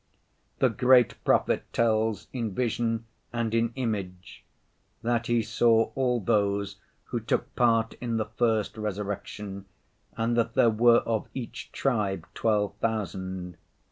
The great prophet tells in vision and in image, that he saw all those who took part in the first resurrection and that there were of each tribe twelve thousand.